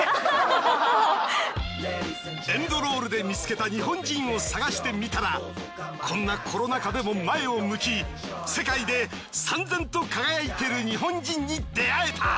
エンドロールで見つけた日本人を探してみたらこんなコロナ禍でも前を向き世界でさん然と輝いている日本人に出会えた。